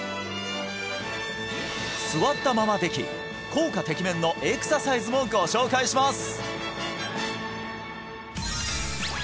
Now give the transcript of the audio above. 座ったままでき効果てきめんのエクササイズもご紹介します！